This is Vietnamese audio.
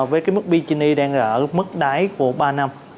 với mức bgn đang ở mức đáy của ba năm